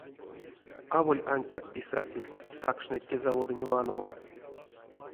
Аволь ансяк писательть сакшныть те заводонть ваномо.